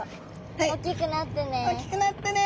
おっきくなってね！